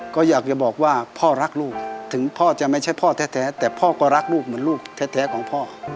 ก็อยากจะบอกว่าพ่อรักลูกถึงพ่อจะไม่ใช่พ่อแท้แต่พ่อก็รักลูกเหมือนลูกแท้ของพ่อ